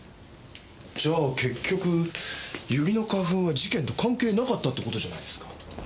じゃあ結局ユリの花粉は事件と関係なかったって事じゃないですか。